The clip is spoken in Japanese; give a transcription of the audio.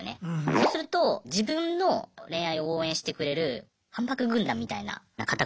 そうすると自分の恋愛を応援してくれるハンバーグ軍団みたいな方々が増えていって。